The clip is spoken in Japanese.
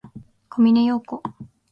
小峰洋子